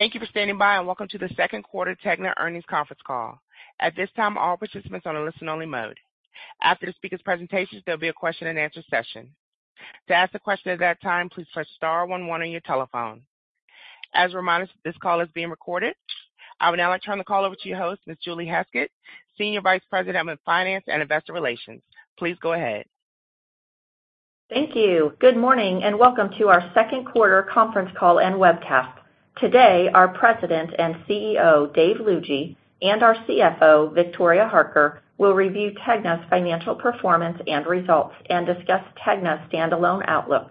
Thank you for standing by, and welcome to the second quarter TEGNA Earnings Conference Call. At this time, all participants are on a listen-only mode. After the speaker's presentation, there'll be a question-and-answer session. To ask a question at that time, please press star one one on your telephone. As a reminder, this call is being recorded. I would now like to turn the call over to your host, Ms. Julie Heskett, Senior Vice President of Finance and Investor Relations. Please go ahead. Thank you. Good morning, welcome to our second quarter conference call and webcast. Today, our President and CEO, Dave Lougee, and our CFO, Victoria Harker, will review TEGNA's financial performance and results and discuss TEGNA's standalone outlook.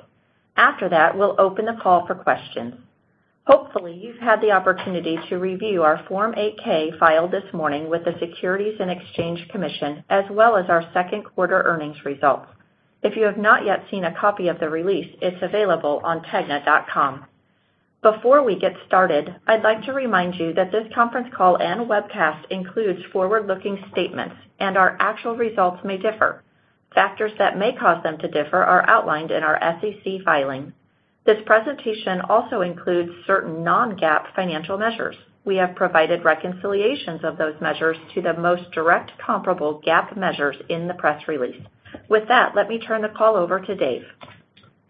After that, we'll open the call for questions. Hopefully, you've had the opportunity to review our Form 8-K filed this morning with the Securities and Exchange Commission, as well as our second quarter earnings results. If you have not yet seen a copy of the release, it's available on tegna.com. Before we get started, I'd like to remind you that this conference call and webcast includes forward-looking statements, and our actual results may differ. Factors that may cause them to differ are outlined in our SEC filing. This presentation also includes certain non-GAAP financial measures. We have provided reconciliations of those measures to the most direct comparable GAAP measures in the press release. With that, let me turn the call over to Dave.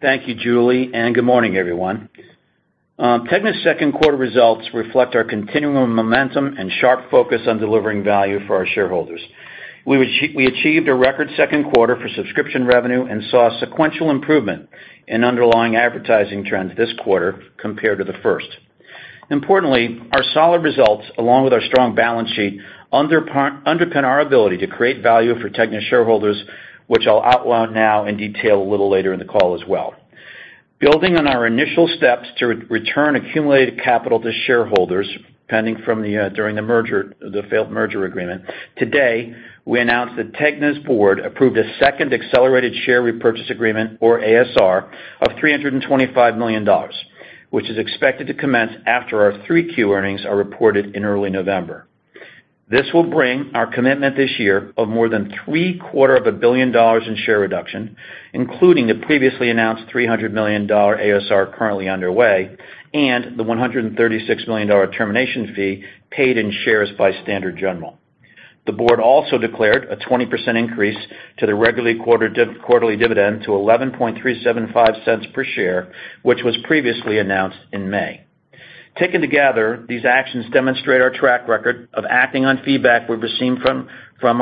Thank you, Julie. Good morning, everyone. Tegna's second quarter results reflect our continuing momentum and sharp focus on delivering value for our shareholders. We achieved a record second quarter for subscription revenue and saw sequential improvement in underlying advertising trends this quarter compared to the first. Importantly, our solid results, along with our strong balance sheet, underpin our ability to create value for Tegna shareholders, which I'll outline now in detail a little later in the call as well. Building on our initial steps to re-return accumulated capital to shareholders, pending from the during the merger, the failed merger agreement, today, we announced that Tegna's board approved a second accelerated share repurchase agreement, or ASR, of $325 million, which is expected to commence after our 3Q earnings are reported in early November. This will bring our commitment this year of more than $750 million in share reduction, including the previously announced $300 million ASR currently underway and the $136 million termination fee paid in shares by Standard General. The board also declared a 20% increase to the regularly quarterly dividend to $0.11375 per share, which was previously announced in May. Taken together, these actions demonstrate our track record of acting on feedback we've received from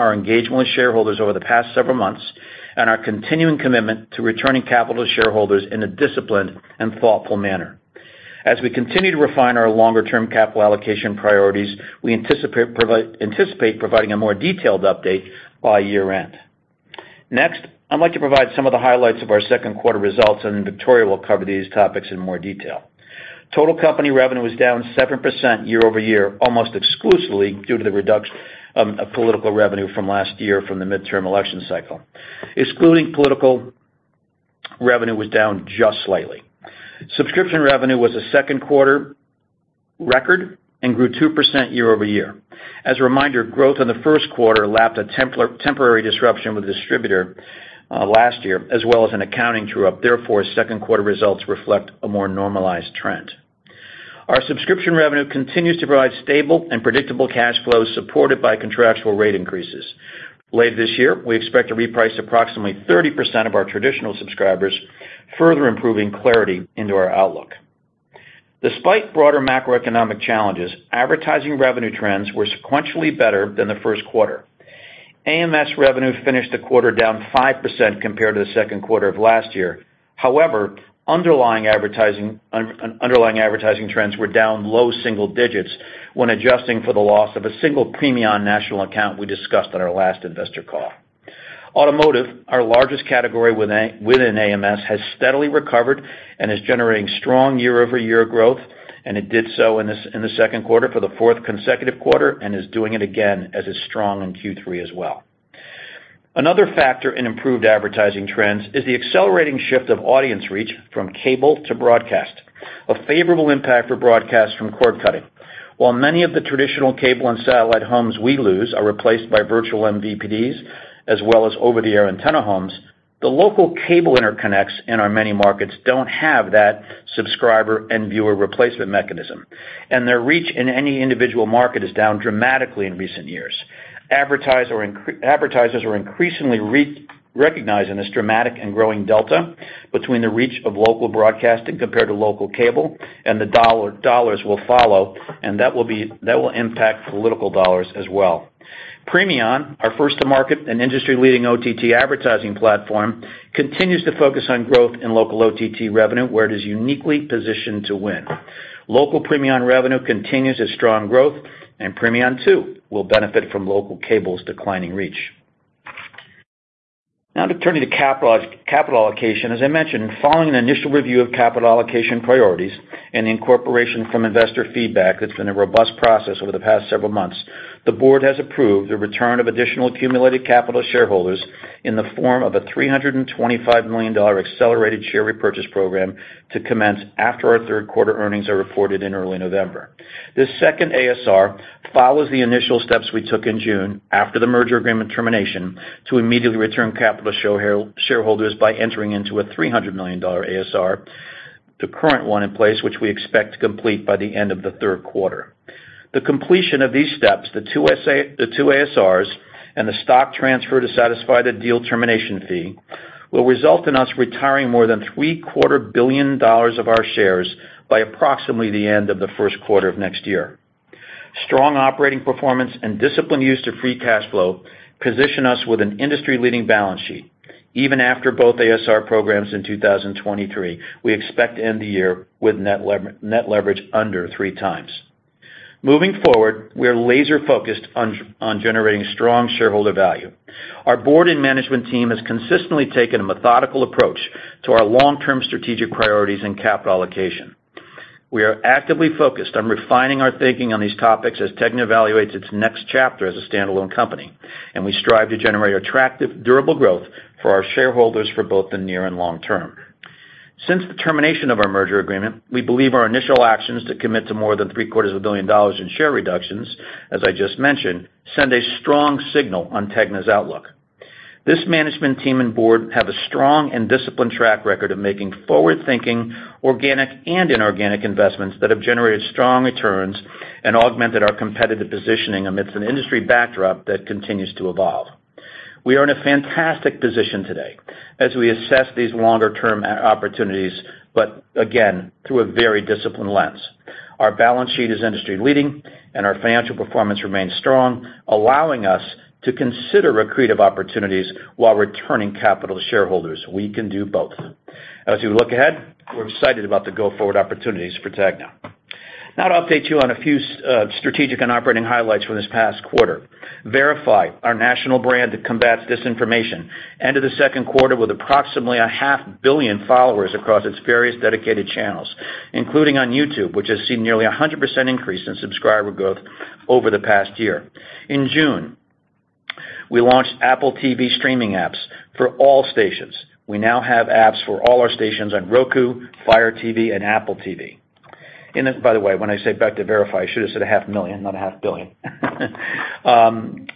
our engagement with shareholders over the past several months and our continuing commitment to returning capital to shareholders in a disciplined and thoughtful manner. As we continue to refine our longer-term capital allocation priorities, we anticipate providing a more detailed update by year-end. Next, I'd like to provide some of the highlights of our second quarter results. Victoria will cover these topics in more detail. Total company revenue was down 7% year-over-year, almost exclusively due to the reduction of political revenue from last year from the midterm election cycle. Excluding political, revenue was down just slightly. Subscription revenue was a second quarter record and grew 2% year-over-year. As a reminder, growth in the first quarter lapped a temporary disruption with a distributor last year, as well as an accounting true-up. Therefore, second quarter results reflect a more normalized trend. Our subscription revenue continues to provide stable and predictable cash flows, supported by contractual rate increases. Later this year, we expect to reprice approximately 30% of our traditional subscribers, further improving clarity into our outlook. Despite broader macroeconomic challenges, advertising revenue trends were sequentially better than the first quarter. AMS revenue finished the quarter down 5% compared to the second quarter of last year. Underlying advertising, underlying advertising trends were down low single digits when adjusting for the loss of a single Premion national account we discussed on our last investor call. Automotive, our largest category within AMS, has steadily recovered and is generating strong year-over-year growth, and it did so in the second quarter for the fourth consecutive quarter and is doing it again as it's strong in Q3 as well. Another factor in improved advertising trends is the accelerating shift of audience reach from cable to broadcast, a favorable impact for broadcast from cord-cutting. While many of the traditional cable and satellite homes we lose are replaced by virtual MVPDs, as well as over-the-air antenna homes, the local cable interconnects in our many markets don't have that subscriber and viewer replacement mechanism, and their reach in any individual market is down dramatically in recent years. Advertisers are increasingly re-recognizing this dramatic and growing delta between the reach of local broadcasting compared to local cable, and the dollars will follow, and that will be... That will impact political dollars as well. Premion, our first to market and industry-leading OTT advertising platform, continues to focus on growth in local OTT revenue, where it is uniquely positioned to win. Local Premion revenue continues its strong growth, and Premion, too, will benefit from local cable's declining reach. Now, to turn to capital allocation. As I mentioned, following an initial review of capital allocation priorities and incorporation from investor feedback, that's been a robust process over the past several months, the board has approved the return of additional accumulated capital to shareholders in the form of a $325 million accelerated share repurchase program to commence after our third quarter earnings are reported in early November. This second ASR follows the initial steps we took in June, after the merger agreement termination, to immediately return capital to shareholders by entering into a $300 million ASR, the current one in place, which we expect to complete by the end of the third quarter. The completion of these steps, the two ASRs, and the stock transfer to satisfy the deal termination fee, will result in us retiring more than $750 million of our shares by approximately the end of the first quarter of next year. Strong operating performance and disciplined use to free cash flow position us with an industry-leading balance sheet. Even after both ASR programs in 2023, we expect to end the year with net leverage under 3x. Moving forward, we are laser-focused on generating strong shareholder value. Our board and management team has consistently taken a methodical approach to our long-term strategic priorities and capital allocation. We are actively focused on refining our thinking on these topics as TEGNA evaluates its next chapter as a standalone company, and we strive to generate attractive, durable growth for our shareholders for both the near and long term. Since the termination of our merger agreement, we believe our initial actions to commit to more than $750 million in share reductions, as I just mentioned, send a strong signal on TEGNA's outlook. This management team and board have a strong and disciplined track record of making forward-thinking, organic, and inorganic investments that have generated strong returns and augmented our competitive positioning amidst an industry backdrop that continues to evolve. We are in a fantastic position today as we assess these longer-term opportunities, but again, through a very disciplined lens. Our balance sheet is industry-leading, and our financial performance remains strong, allowing us to consider accretive opportunities while returning capital to shareholders. We can do both. As we look ahead, we're excited about the go-forward opportunities for TEGNA. Now to update you on a few strategic and operating highlights from this past quarter. VERIFY, our national brand that combats disinformation, ended the second quarter with approximately $500 million followers across its various dedicated channels, including on YouTube, which has seen nearly a 100% increase in subscriber growth over the past year. In June, we launched Apple TV streaming apps for all stations. We now have apps for all our stations on Roku, Fire TV, and Apple TV. By the way, when I say back to VERIFY, I should have said $500,000, not $500 million.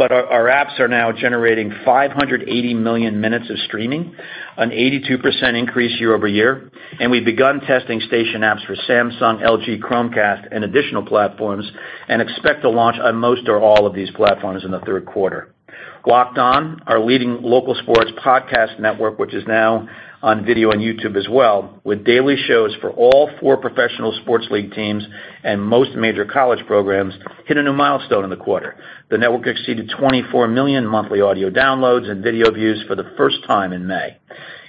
Our, our apps are now generating 580 million minutes of streaming, an 82% increase year-over-year, and we've begun testing station apps for Samsung, LG, Chromecast, and additional platforms, and expect to launch on most or all of these platforms in the third quarter. Locked On, our leading local sports podcast network, which is now on video and YouTube as well, with daily shows for all four professional sports league teams and most major college programs, hit a new milestone in the quarter. The network exceeded 24 million monthly audio downloads and video views for the first time in May.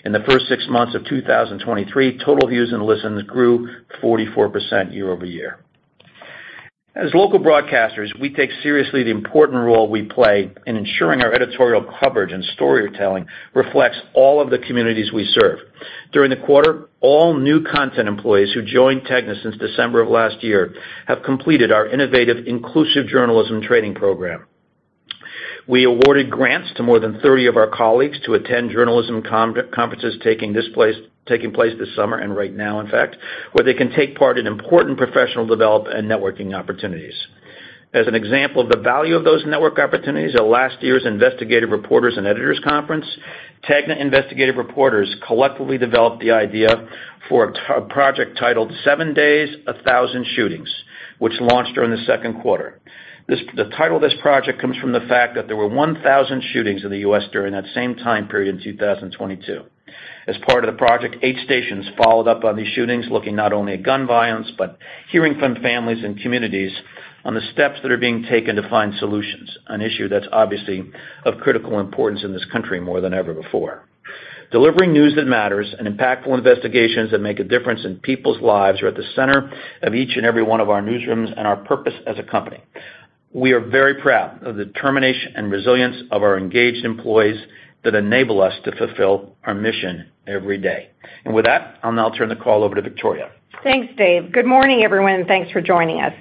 In the first six months of 2023, total views and listens grew 44% year-over-year. As local broadcasters, we take seriously the important role we play in ensuring our editorial coverage and storytelling reflects all of the communities we serve. During the quarter, all new content employees who joined TEGNA since December of last year have completed our innovative Inclusive Journalism Training program. We awarded grants to more than 30 of our colleagues to attend journalism conferences, taking place this summer and right now, in fact, where they can take part in important professional development and networking opportunities. As an example of the value of those network opportunities, at last year's Investigative Reporters and Editors Conference, TEGNA investigative reporters collectively developed the idea for a project titled Seven Days, A Thousand Shootings, which launched during the second quarter. The title of this project comes from the fact that there were 1,000 shootings in the U.S. during that same time period in 2022. As part of the project, eight stations followed up on these shootings, looking not only at gun violence, but hearing from families and communities on the steps that are being taken to find solutions, an issue that's obviously of critical importance in this country more than ever before. Delivering news that matters and impactful investigations that make a difference in people's lives are at the center of each and every one of our newsrooms and our purpose as a company. We are very proud of the determination and resilience of our engaged employees that enable us to fulfill our mission every day. With that, I'll now turn the call over to Victoria. Thanks, Dave. Good morning, everyone, and thanks for joining us.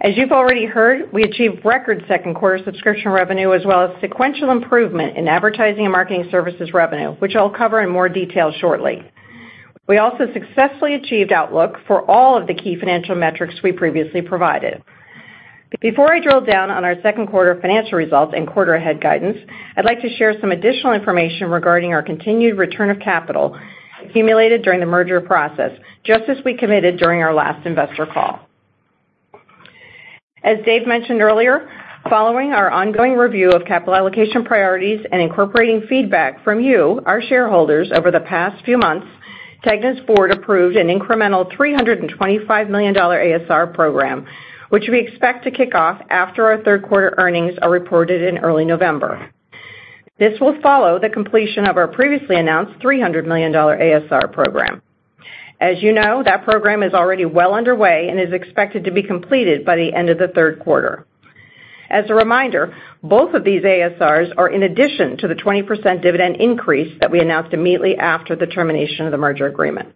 As you've already heard, we achieved record second quarter subscription revenue, as well as sequential improvement in advertising and marketing services revenue, which I'll cover in more detail shortly. We also successfully achieved outlook for all of the key financial metrics we previously provided. Before I drill down on our second quarter financial results and quarter ahead guidance, I'd like to share some additional information regarding our continued return of capital accumulated during the merger process, just as we committed during our last investor call. As Dave mentioned earlier, following our ongoing review of capital allocation priorities and incorporating feedback from you, our shareholders, over the past few months, TEGNA's board approved an incremental $325 million ASR program, which we expect to kick off after our third quarter earnings are reported in early November. This will follow the completion of our previously announced $300 million ASR program. As you know, that program is already well underway and is expected to be completed by the end of the third quarter. As a reminder, both of these ASRs are in addition to the 20% dividend increase that we announced immediately after the termination of the merger agreement.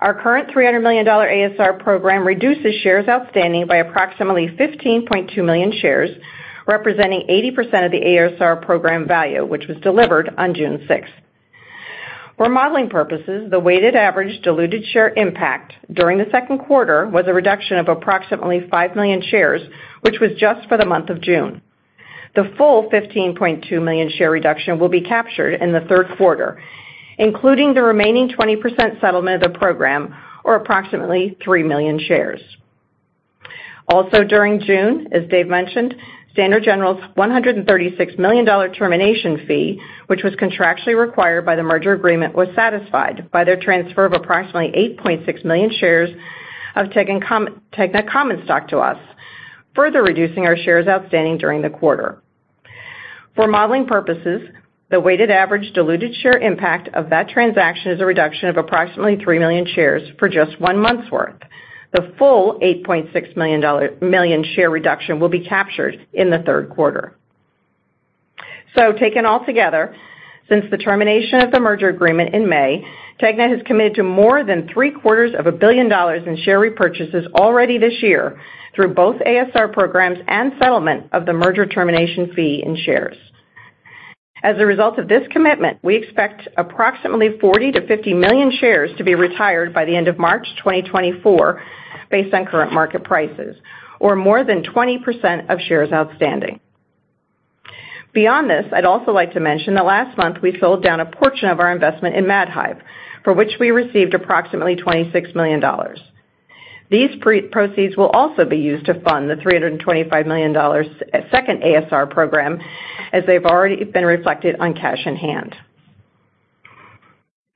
Our current $300 million ASR program reduces shares outstanding by approximately 15.2 million shares, representing 80% of the ASR program value, which was delivered on June 6th. For modeling purposes, the weighted average diluted share impact during the second quarter was a reduction of approximately 5 million shares, which was just for the month of June. The full 15.2 million share reduction will be captured in the third quarter, including the remaining 20% settlement of the program, or approximately 3 million shares. During June, as Dave mentioned, Standard General's $136 million termination fee, which was contractually required by the merger agreement, was satisfied by their transfer of approximately 8.6 million shares of TEGNA common stock to us, further reducing our shares outstanding during the quarter. For modeling purposes, the weighted average diluted share impact of that transaction is a reduction of approximately 3 million shares for just one month's worth. The full 8.6 million share reduction will be captured in the third quarter. Taken altogether, since the termination of the merger agreement in May, Tegna has committed to more than $750 million in share repurchases already this year through both ASR programs and settlement of the merger termination fee in shares. As a result of this commitment, we expect approximately 40 million-50 million shares to be retired by the end of March 2024, based on current market prices, or more than 20% of shares outstanding. Beyond this, I'd also like to mention that last month we sold down a portion of our investment in Madhive, for which we received approximately $26 million. These proceeds will also be used to fund the $325 million second ASR program, as they've already been reflected on cash in hand.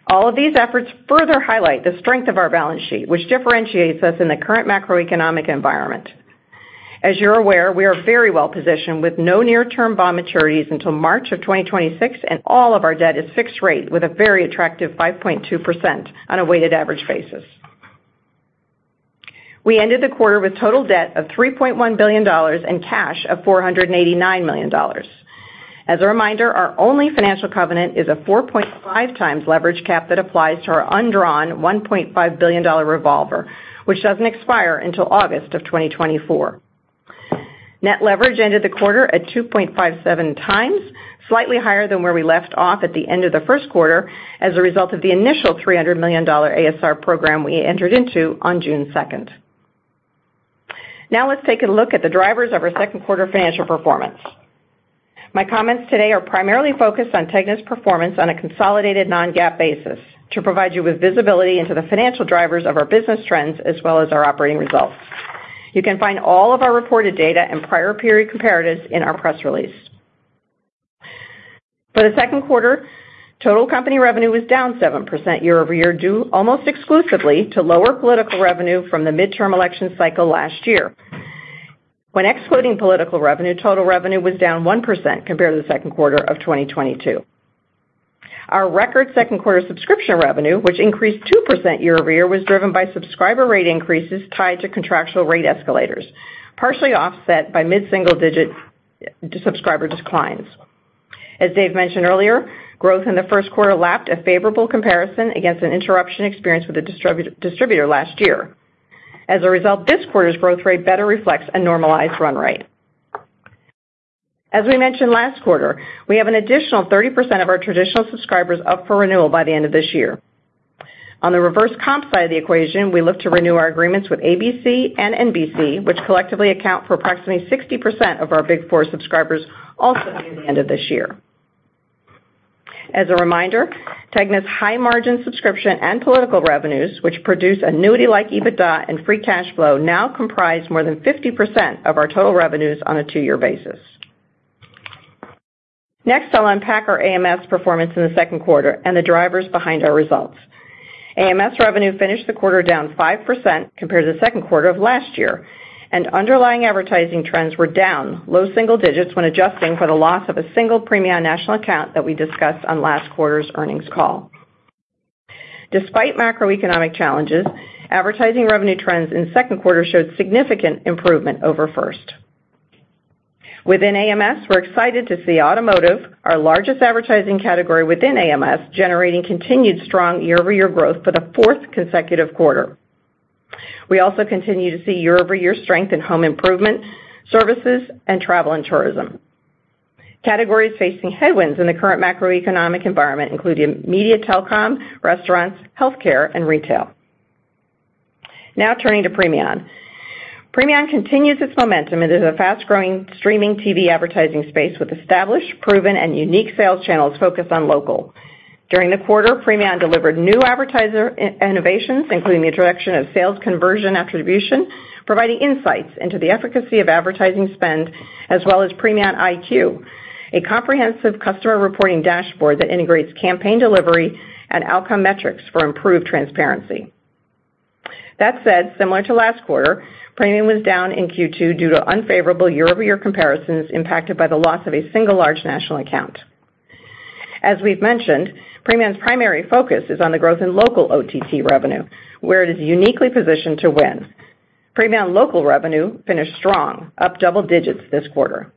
All of these efforts further highlight the strength of our balance sheet, which differentiates us in the current macroeconomic environment. As you're aware, we are very well positioned with no near-term bond maturities until March of 2026, and all of our debt is fixed rate with a very attractive 5.2% on a weighted average basis. We ended the quarter with total debt of $3.1 billion and cash of $489 million. As a reminder, our only financial covenant is a 4.5x leverage cap that applies to our undrawn $1.5 billion revolver, which doesn't expire until August of 2024. Net leverage ended the quarter at 2.57x, slightly higher than where we left off at the end of the first quarter, as a result of the initial $300 million ASR program we entered into on June 2nd. Now, let's take a look at the drivers of our 2nd quarter financial performance. My comments today are primarily focused on TEGNA's performance on a consolidated non-GAAP basis to provide you with visibility into the financial drivers of our business trends as well as our operating results. You can find all of our reported data and prior period comparatives in our press release. For the 2nd quarter, total company revenue was down 7% year-over-year, due almost exclusively to lower political revenue from the midterm election cycle last year. When excluding political revenue, total revenue was down 1% compared to the second quarter of 2022. Our record second quarter subscription revenue, which increased 2% year-over-year, was driven by subscriber rate increases tied to contractual rate escalators, partially offset by mid-single digit subscriber declines. As Dave mentioned earlier, growth in the first quarter lapped a favorable comparison against an interruption experience with a distributor last year. As a result, this quarter's growth rate better reflects a normalized run rate. As we mentioned last quarter, we have an additional 30% of our traditional subscribers up for renewal by the end of this year. On the reverse comp side of the equation, we look to renew our agreements with ABC and NBC, which collectively account for approximately 60% of our Big Four subscribers also by the end of this year. As a reminder, TEGNA's high-margin subscription and political revenues, which produce annuity-like EBITDA and free cash flow, now comprise more than 50% of our total revenues on a two-year basis. Next, I'll unpack our AMS performance in the second quarter and the drivers behind our results. AMS revenue finished the quarter down 5% compared to the second quarter of last year, and underlying advertising trends were down low single digits when adjusting for the loss of a single Premion national account that we discussed on last quarter's earnings call. Despite macroeconomic challenges, advertising revenue trends in the second quarter showed significant improvement over first. Within AMS, we're excited to see automotive, our largest advertising category within AMS, generating continued strong year-over-year growth for the fourth consecutive quarter. We also continue to see year-over-year strength in home improvement, services, and travel and tourism. Categories facing headwinds in the current macroeconomic environment include media, telecom, restaurants, healthcare, and retail. Now turning to Premion. Premion continues its momentum and is a fast-growing streaming TV advertising space with established, proven, and unique sales channels focused on local. During the quarter, Premion delivered new advertiser innovations, including the introduction of sales conversion attribution, providing insights into the efficacy of advertising spend, as well as Premion IQ, a comprehensive customer reporting dashboard that integrates campaign delivery and outcome metrics for improved transparency. That said, similar to last quarter, Premion was down in Q2 due to unfavorable year-over-year comparisons impacted by the loss of a single large national account. As we've mentioned, Premion's primary focus is on the growth in local OTT revenue, where it is uniquely positioned to win. Premion local revenue finished strong, up double digits this quarter.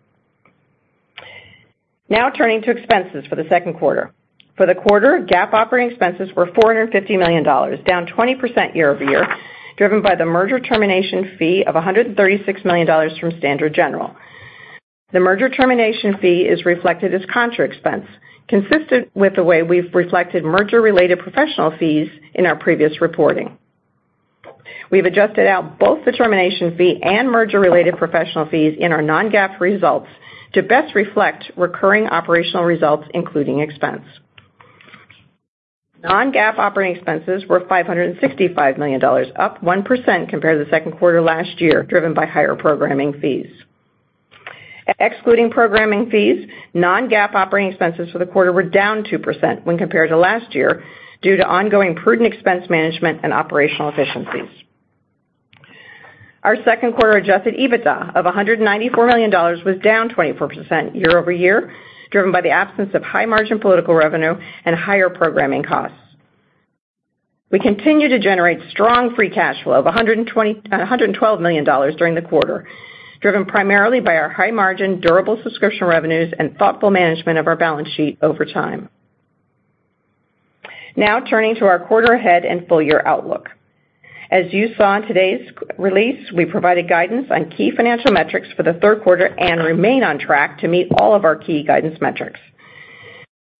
Now turning to expenses for the second quarter. For the quarter, GAAP operating expenses were $450 million, down 20% year-over-year, driven by the merger termination fee of $136 million from Standard General. The merger termination fee is reflected as contra expense, consistent with the way we've reflected merger-related professional fees in our previous reporting. We've adjusted out both the termination fee and merger-related professional fees in our non-GAAP results to best reflect recurring operational results, including expense. Non-GAAP operating expenses were $565 million, up 1% compared to the second quarter last year, driven by higher programming fees. Excluding programming fees, non-GAAP operating expenses for the quarter were down 2% when compared to last year, due to ongoing prudent expense management and operational efficiencies. Our second quarter adjusted EBITDA of $194 million was down 24% year-over-year, driven by the absence of high-margin political revenue and higher programming costs. We continue to generate strong free cash flow of $112 million during the quarter, driven primarily by our high-margin, durable subscription revenues and thoughtful management of our balance sheet over time. Now, turning to our quarter ahead and full year outlook. As you saw in today's release, we provided guidance on key financial metrics for the third quarter and remain on track to meet all of our key guidance metrics.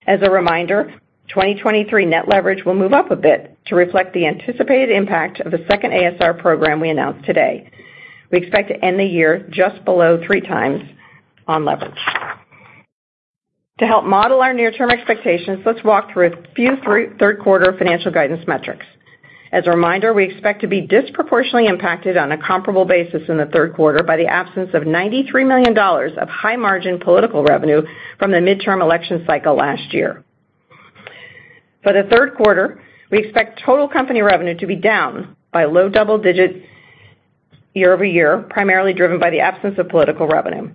As a reminder, 2023 net leverage will move up a bit to reflect the anticipated impact of the second ASR program we announced today. We expect to end the year just below three times on leverage. To help model our near-term expectations, let's walk through a few third quarter financial guidance metrics. As a reminder, we expect to be disproportionately impacted on a comparable basis in the third quarter by the absence of $93 million of high-margin political revenue from the midterm election cycle last year. For the third quarter, we expect total company revenue to be down by low double digits year-over-year, primarily driven by the absence of political revenue.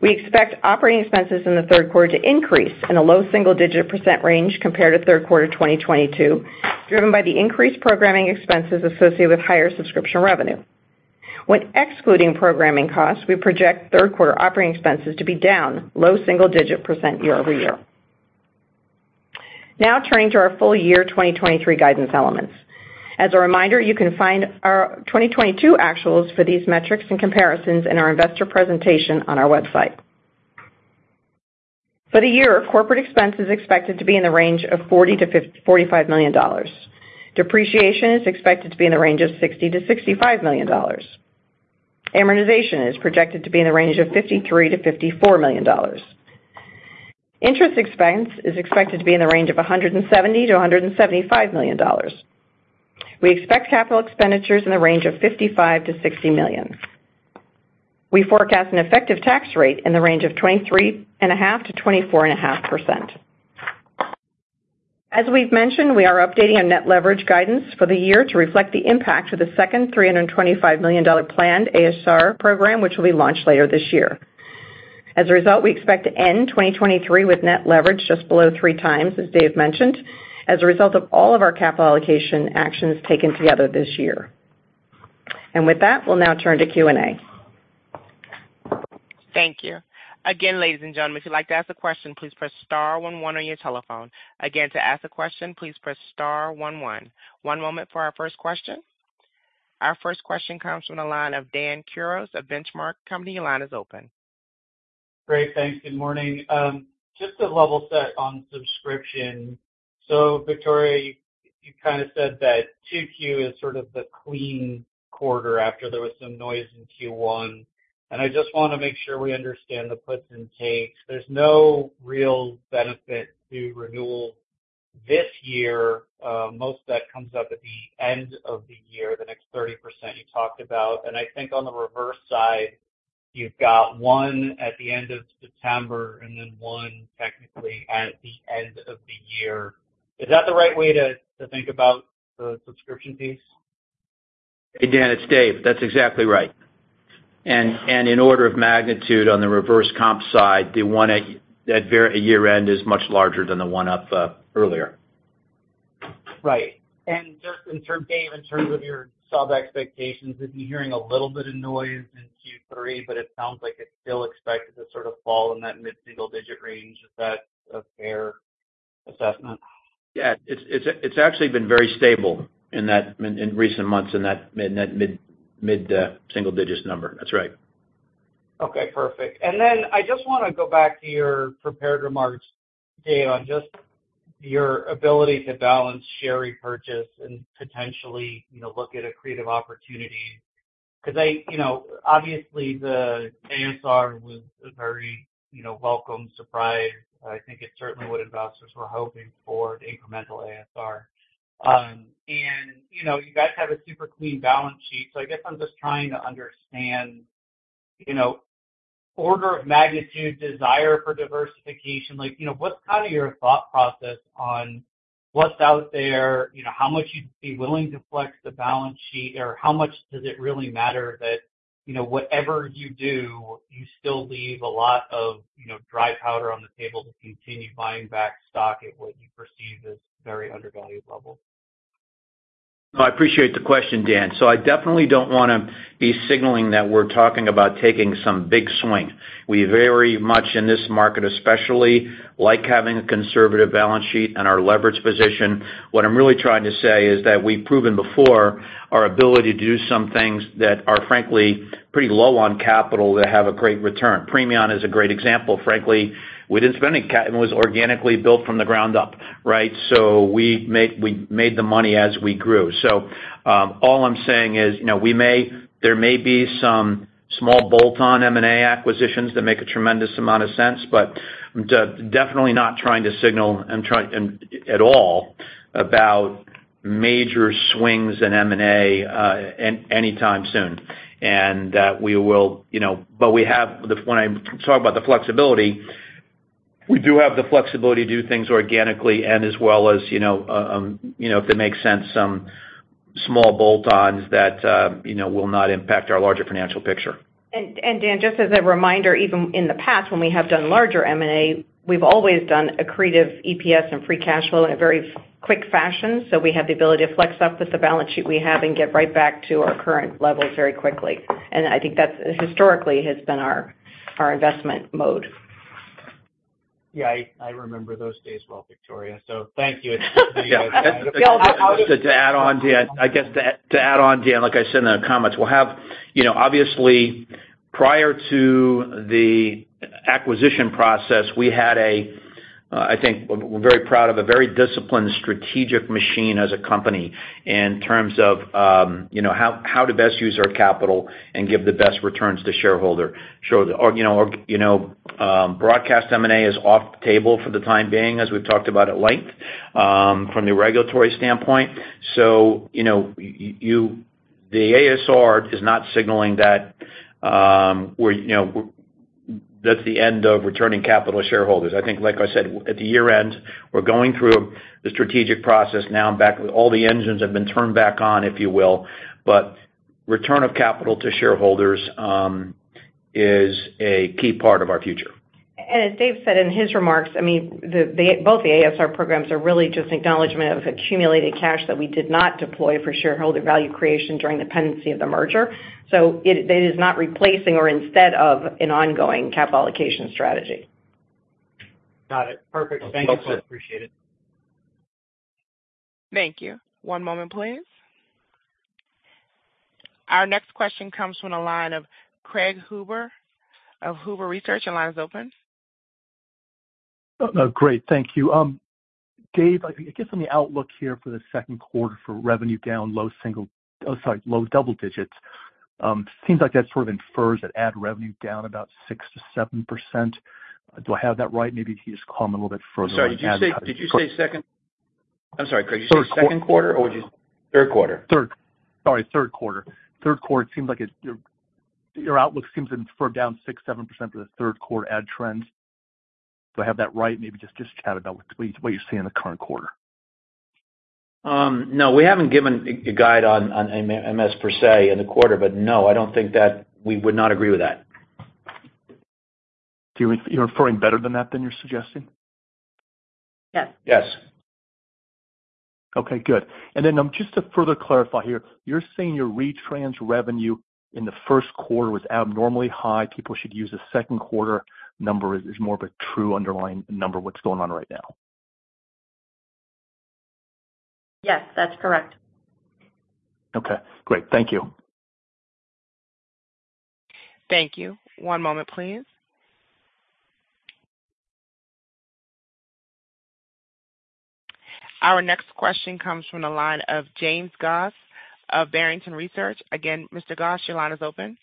We expect operating expenses in the third quarter to increase in a low single-digit % range compared to third quarter 2022, driven by the increased programming expenses associated with higher subscription revenue. When excluding programming costs, we project third quarter operating expenses to be down low single-digit % year-over-year. Now, turning to our full year 2023 guidance elements. As a reminder, you can find our 2022 actuals for these metrics and comparisons in our investor presentation on our website. For the year, corporate expense is expected to be in the range of $40 million-$45 million. Depreciation is expected to be in the range of $60 million-$65 million. Amortization is projected to be in the range of $53 million-$54 million. Interest expense is expected to be in the range of $170 million-$175 million. We expect capital expenditures in the range of $55 million-$60 million. We forecast an effective tax rate in the range of 23.5%-24.5%. As we've mentioned, we are updating our net leverage guidance for the year to reflect the impact of the second $325 million planned ASR program, which will be launched later this year. As a result, we expect to end 2023 with net leverage just below three times, as Dave mentioned, as a result of all of our capital allocation actions taken together this year. With that, we'll now turn to Q&A. Thank you. Again, ladies and gentlemen, if you'd like to ask a question, please press star one one on your telephone. Again, to ask a question, please press star one one. One moment for our first question. Our first question comes from the line of Dan Kurnos of Benchmark Company. Line is open. Great. Thanks. Good morning. Just to level set on subscription. Victoria, you kind of said that 2Q is sort of the clean quarter after there was some noise in Q1. I just want to make sure we understand the puts and takes. There's no real benefit to renewal this year. Most of that comes up at the end of the year, the next 30% you talked about. I think on the reverse side, you've got 1 at the end of September and then one technically at the end of the year. Is that the right way to, to think about the subscription piece? Hey, Dan, it's Dave. That's exactly right. In order of magnitude on the reverse comp side, the one at, at year-end is much larger than the one up, earlier. Right. Just in terms, Dave Lougee, in terms of your sub expectations, I've been hearing a little bit of noise in Q3, it sounds like it's still expected to sort of fall in that mid-single digit range. Is that a fair assessment? Yeah, it's, it's, it's actually been very stable in that in, in recent months, in that mid, mid, mid single digits number. That's right. Okay, perfect. Then I just want to go back to your prepared remarks, Dave, on just your ability to balance share repurchase and potentially, you know, look at accretive opportunities. I, you know, obviously, the ASR was a very, you know, welcome surprise. I think it's certainly what investors were hoping for, the incremental ASR. You know, you guys have a super clean balance sheet, so I guess I'm just trying to understand, you know, order of magnitude, desire for diversification. Like, you know, what's kind of your thought process on what's out there, you know, how much you'd be willing to flex the balance sheet, or how much does it really matter that, you know, whatever you do, you still leave a lot of, you know, dry powder on the table to continue buying back stock at what you perceive as very undervalued levels? I appreciate the question, Dan. I definitely don't want to be signaling that we're talking about taking some big swing. We very much, in this market especially, like having a conservative balance sheet and our leverage position. What I'm really trying to say is that we've proven before our ability to do some things that are, frankly, pretty low on capital, that have a great return. Premion is a great example. Frankly, we didn't spend any ca-- and was organically built from the ground up, right? We made the money as we grew. All I'm saying is, you know, there may be some,... small bolt-on M&A acquisitions that make a tremendous amount of sense, but definitely not trying to signal and try and at all about major swings in M&A anytime soon. We will, you know, but we have the when I talk about the flexibility, we do have the flexibility to do things organically and as well as, you know, if it makes sense, some small bolt-ons that, you know, will not impact our larger financial picture. Dan Kurnos, just as a reminder, even in the past, when we have done larger M&A, we've always done accretive EPS and free cash flow in a very quick fashion. So we have the ability to flex up with the balance sheet we have and get right back to our current levels very quickly. And I think that historically has been our, our investment mode. Yeah, I remember those days well, Victoria. Thank you. To add on, Dan, I guess to, to add on, Dan, like I said in the comments, we'll have, you know, obviously, prior to the acquisition process, we had, I think we're very proud of a very disciplined strategic machine as a company in terms of, you know, how, how to best use our capital and give the best returns to shareholder. Sure. You know, or, you know, broadcast M&A is off the table for the time being, as we've talked about at length, from the regulatory standpoint. You know, the ASR is not signaling that, we're, you know, that's the end of returning capital to shareholders. I think like I said, at the year-end, we're going through the strategic process now, and back with all the engines have been turned back on, if you will. Return of capital to shareholders is a key part of our future. As Dave said in his remarks, I mean, both the ASR programs are really just acknowledgment of accumulated cash that we did not deploy for shareholder value creation during the pendency of the merger. It, it is not replacing or instead of an ongoing capital allocation strategy. Got it. Perfect. Thank you. Appreciate it. Thank you. One moment, please. Our next question comes from the line of Craig Huber of Huber Research. Your line is open. Great. Thank you. Dave, I guess on the outlook here for the second quarter for revenue down, low single... Oh, sorry, low double digits, seems like that sort of infers that ad revenue down about 6%-7%. Do I have that right? Maybe can you just comment a little bit further? Sorry, did you say, did you say second? I'm sorry, Craig. Did you say second quarter, or did you- Third quarter. Third quarter, it seems like it, your, your outlook seems to infer down 6%-7% for the third quarter ad trends. Do I have that right? Maybe just, just chat about what, what you see in the current quarter. No, we haven't given a, a guide on, on MS per se in the quarter, but no, I don't think that we would not agree with that. Do you, you're referring better than that, than you're suggesting? Yes. Yes. Okay, good. Just to further clarify here, you're saying your retrans revenue in the first quarter was abnormally high. People should use the second quarter number is more of a true underlying number what's going on right now? Yes, that's correct. Okay, great. Thank you. Thank you. One moment, please. Our next question comes from the line of James Goss of Barrington Research. Again, Mr. Goss, your line is open.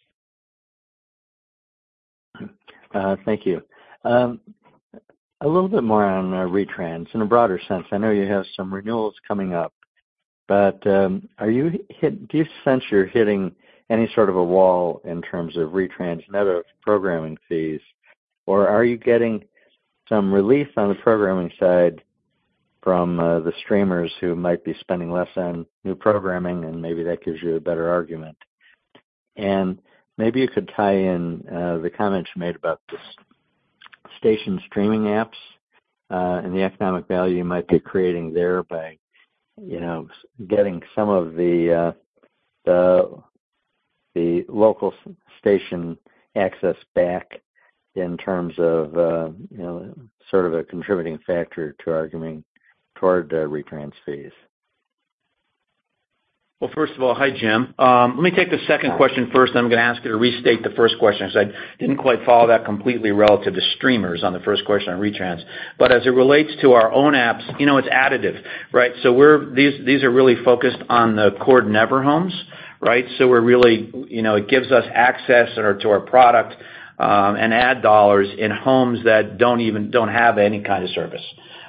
Thank you. A little bit more on retrans in a broader sense. I know you have some renewals coming up, but, do you sense you're hitting any sort of a wall in terms of retrans and other programming fees? Are you getting some relief on the programming side from the streamers who might be spending less on new programming, and maybe that gives you a better argument? Maybe you could tie in the comments you made about this station streaming apps, and the economic value you might be creating there by, you know, getting some of the, the local station access back in terms of, you know, sort of a contributing factor to arguing toward retrans fees. Well, first of all, hi, Jim. Let me take the second question first, I'm going to ask you to restate the first question because I didn't quite follow that completely relative to streamers on the first question on retrans. As it relates to our own apps, you know, it's additive, right? These, these are really focused on the cord-never homes, right? We're really, you know, it gives us access or to our product and ad dollars in homes that don't have any kind of service.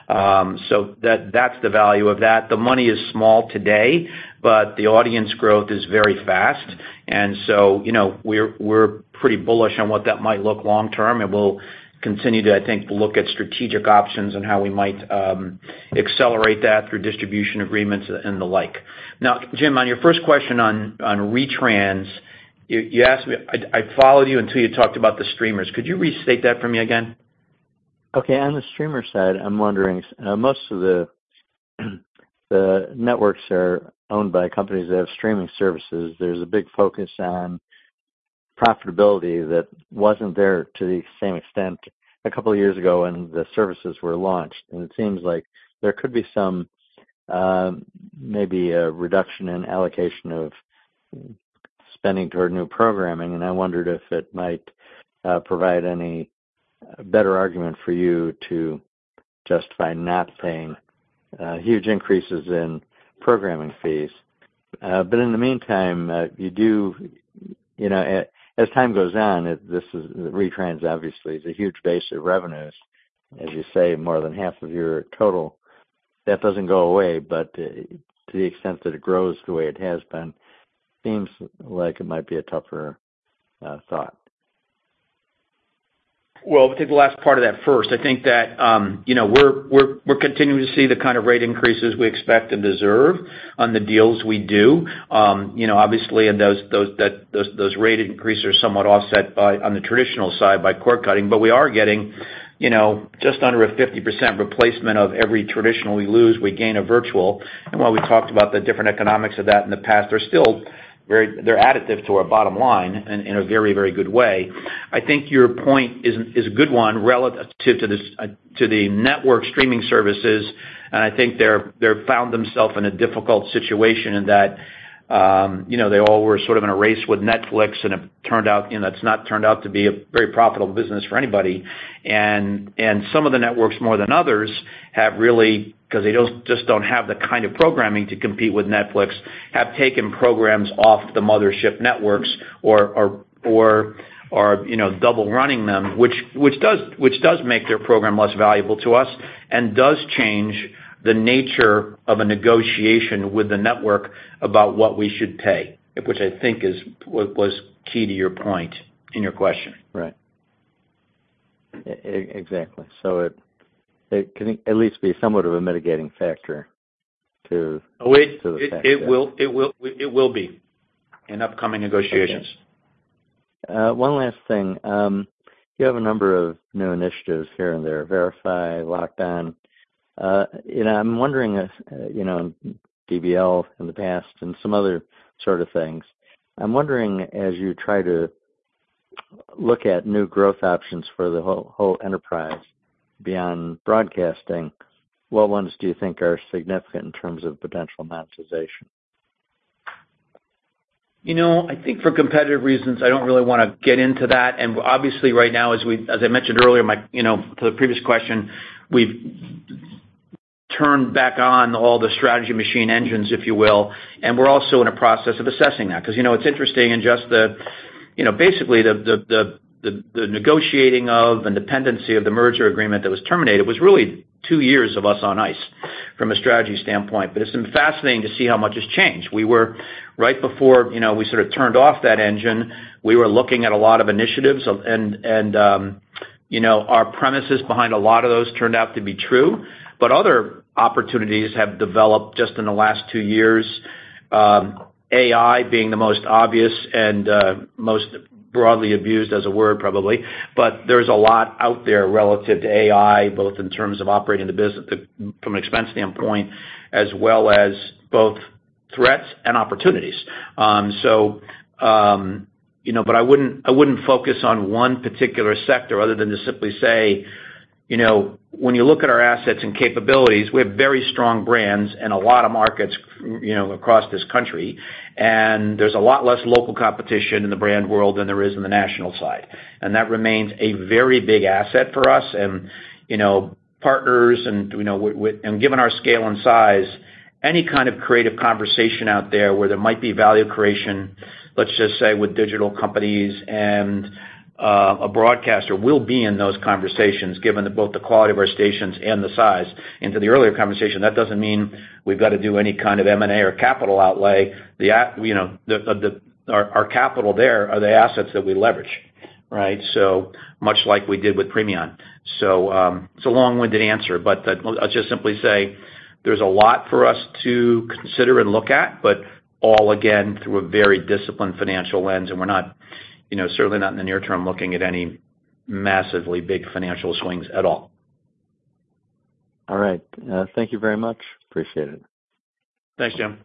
That, that's the value of that. The money is small today, the audience growth is very fast. You know, we're, we're pretty bullish on what that might look long term, and we'll continue to, I think, look at strategic options and how we might accelerate that through distribution agreements and the like. Now, Jim, on your first question on, on retrans, you, you asked me... I, I followed you until you talked about the streamers. Could you restate that for me again? Okay. On the streamer side, I'm wondering, most of the, the networks are owned by companies that have streaming services. There's a big focus on profitability that wasn't there to the same extent a couple of years ago when the services were launched. It seems like there could be some, maybe a reduction in allocation of spending toward new programming, and I wondered if it might provide any better argument for you to justify not paying, huge increases in programming fees. In the meantime, you do, you know, as time goes on, it, this is retrans obviously is a huge base of revenues, as you say, more than half of your total. That doesn't go away, but, to the extent that it grows the way it has been, seems like it might be a tougher, thought. Well, to the last part of that first, I think that, you know, we're, we're, we're continuing to see the kind of rate increases we expect and deserve on the deals we do. You know, obviously, those, those, that, those rate increases are somewhat offset by, on the traditional side, by cord cutting. We are getting, you know, just under a 50% replacement of every traditional we lose, we gain a virtual. While we talked about the different economics of that in the past, they're still they're additive to our bottom line in, in a very, very good way. I think your point is, is a good one relative to this, to the network streaming services, and I think they're, they've found themselves in a difficult situation in that, you know, they all were sort of in a race with Netflix, and it turned out, you know, that's not turned out to be a very profitable business for anybody. Some of the networks, more than others, have really, because they don't, just don't have the kind of programming to compete with Netflix, have taken programs off the mothership networks or, or, or, or, you know, double running them, which, which does, which does make their program less valuable to us and does change the nature of a negotiation with the network about what we should pay, which I think is, was key to your point in your question. Right. Exactly. It can at least be somewhat of a mitigating factor to- Oh, it, it will, it will, it will be in upcoming negotiations. One last thing. You have a number of new initiatives here and there, VERIFY, Locked On. I'm wondering if, you know, DBL in the past and some other sort of things. I'm wondering, as you try to look at new growth options for the whole, whole enterprise beyond broadcasting, what ones do you think are significant in terms of potential monetization? You know, I think for competitive reasons, I don't really want to get into that. Obviously, right now, as I mentioned earlier, my, you know, to the previous question, we've turned back on all the strategy machine engines, if you will, and we're also in a process of assessing that. You know, it's interesting in just the, you know, basically, the negotiating of and dependency of the merger agreement that was terminated was really two years of us on ice from a strategy standpoint. It's been fascinating to see how much has changed. We were, right before, you know, we sort of turned off that engine, we were looking at a lot of initiatives of, and, and, you know, our premises behind a lot of those turned out to be true, but other opportunities have developed just in the last two years, AI being the most obvious and most broadly abused as a word, probably. There's a lot out there relative to AI, both in terms of operating the business, from an expense standpoint, as well as both threats and opportunities. You know, but I wouldn't, I wouldn't focus on one particular sector other than to simply say, you know, when you look at our assets and capabilities, we have very strong brands in a lot of markets, you know, across this country, and there's a lot less local competition in the brand world than there is in the national side. That remains a very big asset for us and, you know, partners, and, you know, and given our scale and size, any kind of creative conversation out there where there might be value creation, let's just say, with digital companies and a broadcaster, we'll be in those conversations, given the both the quality of our stations and the size. To the earlier conversation, that doesn't mean we've got to do any kind of M&A or capital outlay. The you know, the, the, our, our capital there are the assets that we leverage, right? Much like we did with Premion. It's a long-winded answer, but I'll just simply say there's a lot for us to consider and look at, but all again, through a very disciplined financial lens, and we're not, you know, certainly not in the near term, looking at any massively big financial swings at all. All right. Thank you very much. Appreciate it. Thanks, Jim.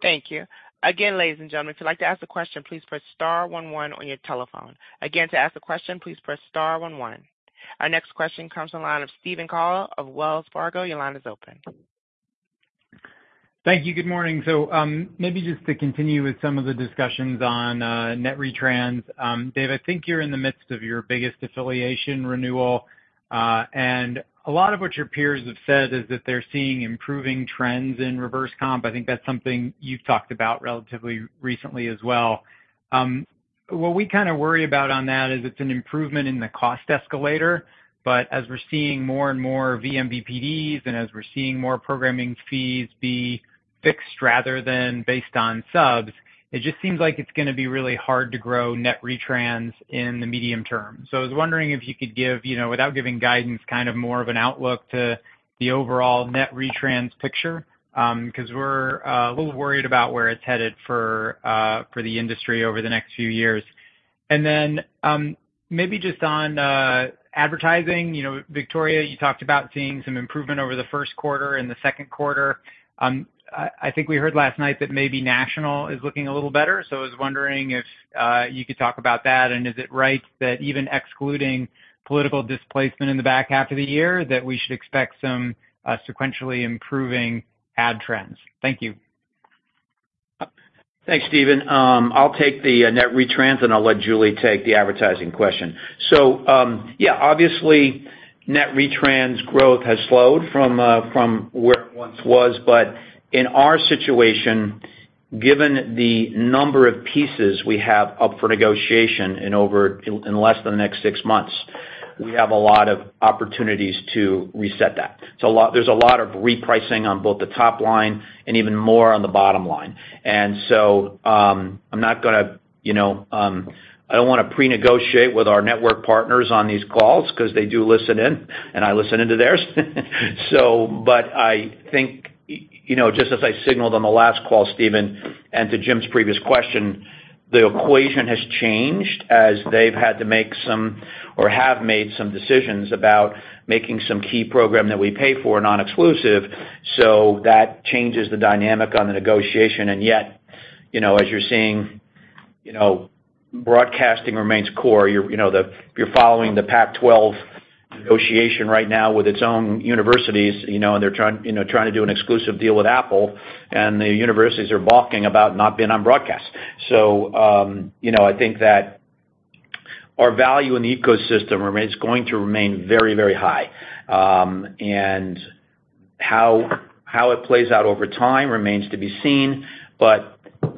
Thank you. Again, ladies and gentlemen, if you'd like to ask a question, please press star one one on your telephone. Again, to ask a question, please press star one one. Our next question comes from the line of Steven Cahall of Wells Fargo. Your line is open. Thank you. Good morning. Maybe just to continue with some of the discussions on net retrans. Dave, I think you're in the midst of your biggest affiliation renewal, and a lot of what your peers have said is that they're seeing improving trends in reverse comp. I think that's something you've talked about relatively recently as well. What we kind of worry about on that is it's an improvement in the cost escalator, but as we're seeing more and more vMVPDs and as we're seeing more programming fees be fixed rather than based on subs, it just seems like it's gonna be really hard to grow net retrans in the medium term. I was wondering if you could give, you know, without giving guidance, kind of more of an outlook to the overall net retrans picture, because we're a little worried about where it's headed for the industry over the next few years. Maybe just on advertising, you know, Victoria, you talked about seeing some improvement over the first quarter and the second quarter. I, I think we heard last night that maybe national is looking a little better, so I was wondering if you could talk about that. Is it right that even excluding political displacement in the back half of the year, that we should expect some sequentially improving ad trends? Thank you. Thanks, Steven. I'll take the net retrans, and I'll let Julie take the advertising question. Yeah, obviously, net retrans growth has slowed from where it once was, but in our situation, given the number of pieces we have up for negotiation in less than the next six months, we have a lot of opportunities to reset that. There's a lot of repricing on both the top line and even more on the bottom line. I'm not gonna, you know, I don't wanna prenegotiate with our network partners on these calls because they do listen in, and I listen in to theirs. But I think, you know, just as I signaled on the last call, Steven, and to Jim's previous question, the equation has changed as they've had to make some or have made some decisions about making some key program that we pay for nonexclusive, so that changes the dynamic on the negotiation. Yet, you know, as you're seeing, you know, broadcasting remains core. You're, you know, if you're following the Pac-12 negotiation right now with its own universities, you know, and they're trying, you know, trying to do an exclusive deal with Apple, and the universities are balking about not being on broadcast. You know, I think that our value in the ecosystem going to remain very, very high. How, how it plays out over time remains to be seen.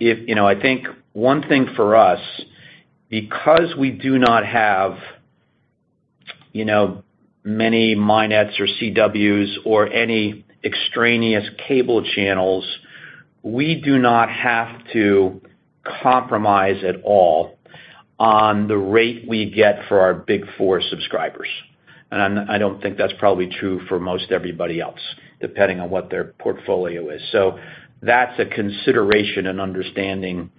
If... You know, I think one thing for us, because we do not have, you know, many MyNets or CWs or any extraneous cable channels, we do not have to compromise at all on the rate we get for our Big Four subscribers. I, I don't think that's probably true for most everybody else, depending on what their portfolio is. That's a consideration and understanding,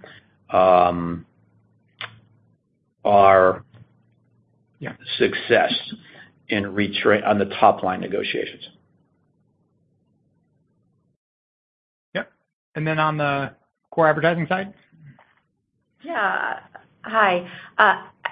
our, yeah, success in retrans- on the top line negotiations. Yep, then on the core advertising side? Yeah. Hi.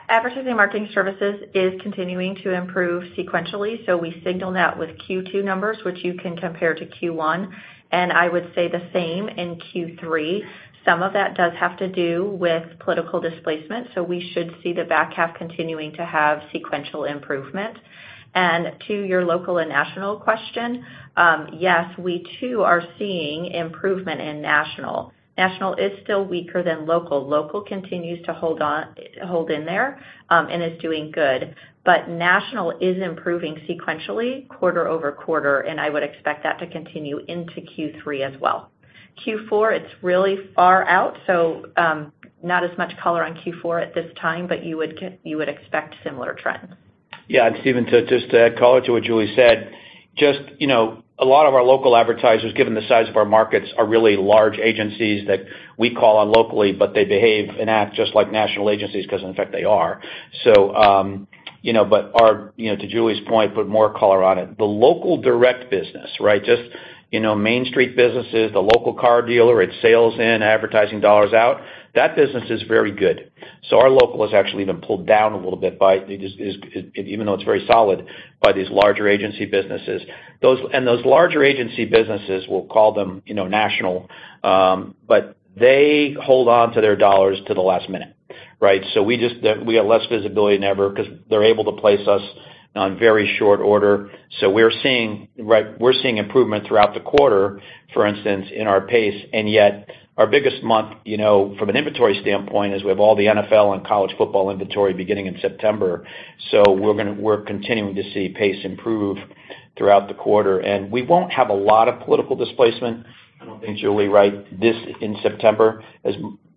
advertising and marketing services is continuing to improve sequentially, so we signaled that with Q2 numbers, which you can compare to Q1, and I would say the same in Q3. Some of that does have to do with political displacement, so we should see the back half continuing to have sequential improvement. To your local and national question, yes, we too, are seeing improvement in national. National is still weaker than local. Local continues to hold on-- hold in there, and is doing good. National is improving sequentially, quarter-over-quarter, and I would expect that to continue into Q3 as well. Q4, it's really far out, so not as much color on Q4 at this time, but you would get-- you would expect similar trends. Steven, to just to add color to what Julie said, just, you know, a lot of our local advertisers, given the size of our markets, are really large agencies that we call on locally, but they behave and act just like national agencies because, in fact, they are. You know, but our, you know, to Julie's point, put more color on it. The local direct business, right, just, you know, Main Street businesses, the local car dealer, it's sales in, advertising dollars out, that business is very good. Our local has actually been pulled down a little bit by this, is, even though it's very solid, by these larger agency businesses. Those larger agency businesses, we'll call them, you know, national, but they hold on to their dollars to the last minute, right? We just, we have less visibility than ever because they're able to place us on very short order. We're seeing, right, we're seeing improvement throughout the quarter, for instance, in our pace, and yet our biggest month, you know, from an inventory standpoint, is we have all the NFL and college football inventory beginning in September. We're continuing to see pace improve throughout the quarter. We won't have a lot of political displacement, I don't think, Julie, right? This in September, as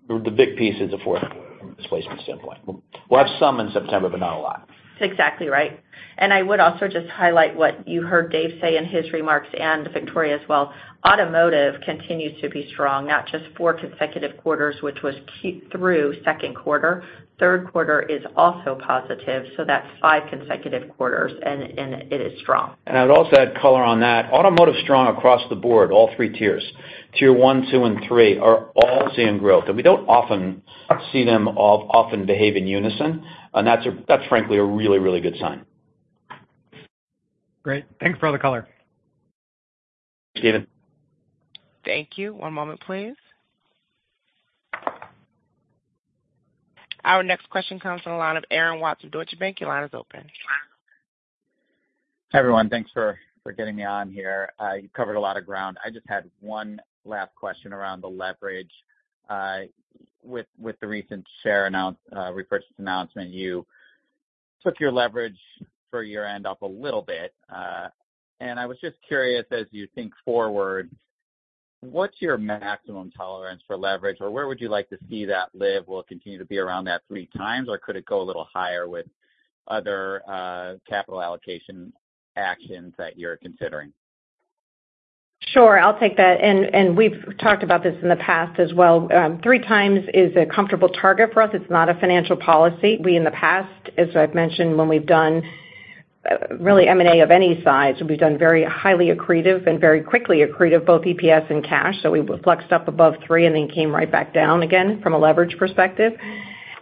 the big piece is the fourth quarter from a displacement standpoint. We'll have some in September, but not a lot. That's exactly right. I would also just highlight what you heard Dave say in his remarks and Victoria as well. Automotive continues to be strong, not just four consecutive quarters, which was keep through second quarter. Third quarter is also positive, so that's five consecutive quarters, and it is strong. I'd also add color on that. Automotive is strong across the board, all three tiers. Tier 1, two, and three are all seeing growth, and we don't often see them all often behave in unison. That's frankly a really, really good sign. Great. Thanks for all the color. Thanks, Steven. Thank you. One moment, please. Our next question comes from the line of Aaron Watts of Deutsche Bank. Your line is open. Hi, everyone. Thanks for, for getting me on here. You covered a lot of ground. I just had one last question around the leverage. With, with the recent share announ-- repurchase announcement, you took your leverage for your end up a little bit. I was just curious, as you think forward, what's your maximum tolerance for leverage, or where would you like to see that live? Will it continue to be around that three times, or could it go a little higher with other capital allocation actions that you're considering? Sure. I'll take that, and we've talked about this in the past as well. three times is a comfortable target for us. It's not a financial policy. We, in the past, as I've mentioned, when we've done really M&A of any size, we've done very highly accretive and very quickly accretive, both EPS and cash. We flexed up above three and then came right back down again from a leverage perspective.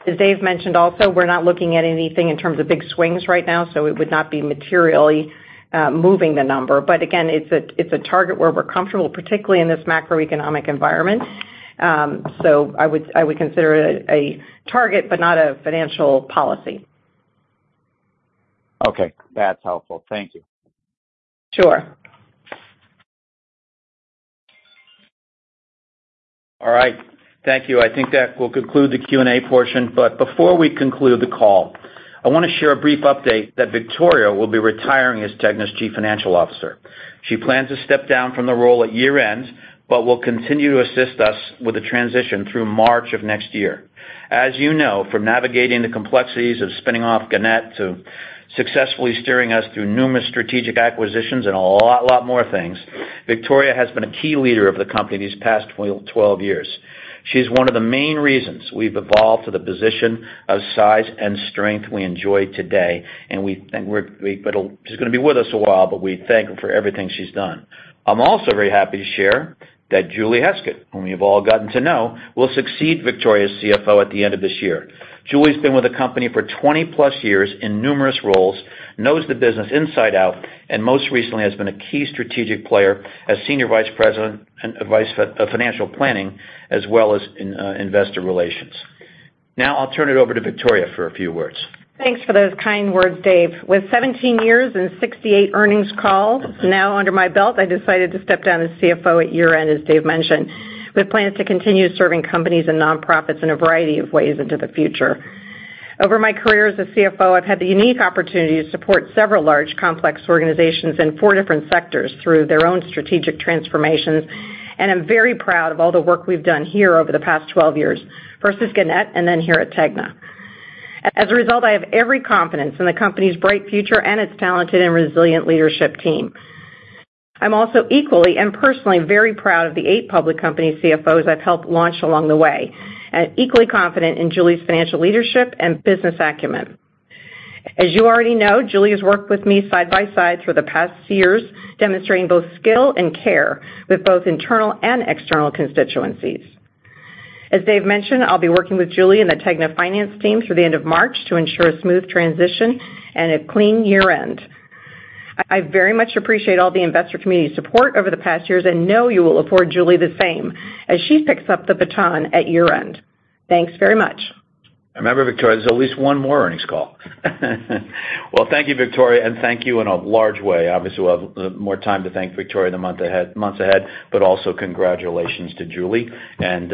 As Dave mentioned also, we're not looking at anything in terms of big swings right now, so it would not be materially moving the number. Again, it's a, it's a target where we're comfortable, particularly in this macroeconomic environment. I would, I would consider it a target, but not a financial policy. Okay, that's helpful. Thank you. Sure. All right. Thank you. I think that will conclude the Q&A portion. Before we conclude the call, I wanna share a brief update that Victoria will be retiring as TEGNA's Chief Financial Officer. She plans to step down from the role at year-end, but will continue to assist us with the transition through March of next year. As you know, from navigating the complexities of spinning off Gannett to successfully steering us through numerous strategic acquisitions and a lot, lot more things, Victoria has been a key leader of the company these past 12, 12 years. She's one of the main reasons we've evolved to the position of size and strength we enjoy today, but she's gonna be with us a while, but we thank her for everything she's done. I'm also very happy to share that Julie Heskett, whom you've all gotten to know, will succeed Victoria as CFO at the end of this year. Julie's been with the company for 20 plus years in numerous roles, knows the business inside out, and most recently, has been a key strategic player as Senior Vice President and Vice of Financial Planning, as well as in Investor Relations. Now, I'll turn it over to Victoria for a few words. Thanks for those kind words, Dave. With 17 years and 68 earnings calls now under my belt, I decided to step down as CFO at year-end, as Dave mentioned, with plans to continue serving companies and nonprofits in a variety of ways into the future. Over my career as a CFO, I've had the unique opportunity to support several large, complex organizations in four different sectors through their own strategic transformations, and I'm very proud of all the work we've done here over the past 12 years, first as Gannett and then here at TEGNA. As a result, I have every confidence in the company's bright future and its talented and resilient leadership team. I'm also equally and personally very proud of the eight public company CFOs I've helped launch along the way, and equally confident in Julie's financial leadership and business acumen. As you already know, Julie has worked with me side by side for the past few years, demonstrating both skill and care with both internal and external constituencies. As Dave mentioned, I'll be working with Julie and the TEGNA finance team through the end of March to ensure a smooth transition and a clean year-end. I very much appreciate all the investor community's support over the past years and know you will afford Julie the same as she picks up the baton at year-end. Thanks very much. Remember, Victoria, there's at least one more earnings call. Well, thank you, Victoria, and thank you in a large way. Obviously, we'll have more time to thank Victoria in the month ahead-- months ahead, congratulations to Julie. And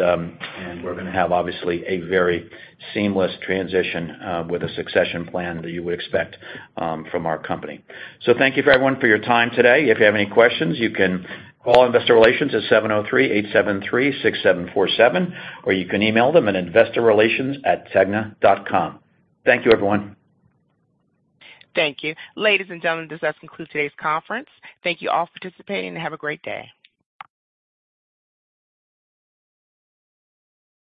we're gonna have, obviously, a very seamless transition with a succession plan that you would expect from our company. Thank you for everyone, for your time today. If you have any questions, you can call investor relations at 703-873-6747, or you can email them at investorrelations@tegna.com. Thank you, everyone. Thank you. Ladies and gentlemen, does that conclude today's conference? Thank you all for participating, and have a great day.